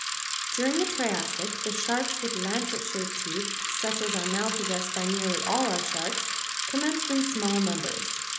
During the Triassic the sharks, with lancet shaped teeth, such as are now possessed by nearly all our sharks, commenced in small numbers.